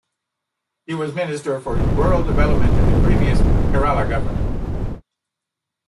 He was Minister for Rural Development in the previous Kerala Government.